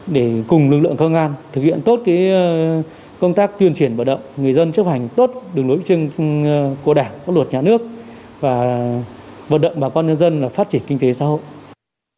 để cùng lực lượng công an thực hiện tốt công tác tuyên truyền vận động người dân chấp hành tốt đường lối của đảng pháp luật nhà nước và vận động bà con nhân dân phát triển kinh tế xã hội